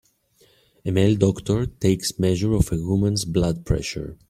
A male doctor takes measure of a woman 's blood pressure.